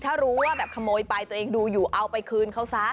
ถ้ารู้ว่าแบบขโมยไปตัวเองดูอยู่เอาไปคืนเขาซะ